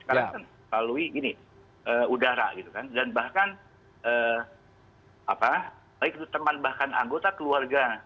sekarang kan lalui gini udara gitu kan dan bahkan baik itu teman bahkan anggota keluarga